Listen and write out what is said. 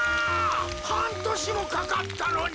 はんとしもかかったのに。